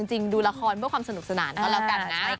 เอาจริงดูละครเพื่อความสนุกสนานก่อนแล้วกันนะ